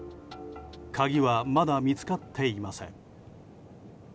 鍵はまだ見つかっていません。